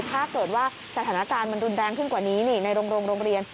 ถ้าเกิดว่าสถานการณ์มันรุนแรงขึ้นกว่านี้ในโรงเรียน